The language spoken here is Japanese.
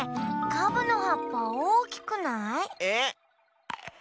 カブのはっぱおおきくない？え？